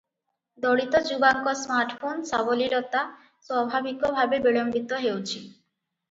ଦଳିତ ଯୁବାଙ୍କ ସ୍ମାର୍ଟଫୋନ ସାବଲୀଳତା ସ୍ୱାଭାବିକ ଭାବେ ବିଳମ୍ବିତ ହେଉଛି ।